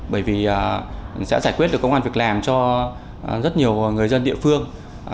bởi vì sẽ giải quyết được công an việc làm cho rất nhiều người dân địa phương